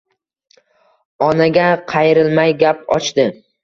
Onaga qayrilmay gap ochdi.